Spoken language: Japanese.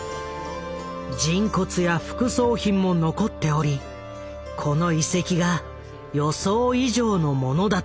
人骨や副葬品も残っておりこの遺跡が予想以上のものだと分かった。